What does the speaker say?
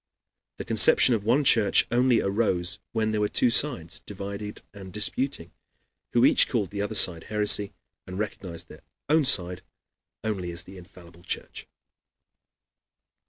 The conception of one church only arose when there were two sides divided and disputing, who each called the other side heresy, and recognized their own side only as the infallible church.